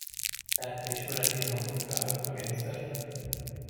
Tehát te ismered Diamant Oktávot, a gengsztert?